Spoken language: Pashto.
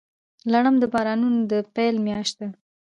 لړم د بارانونو د پیل میاشت ده.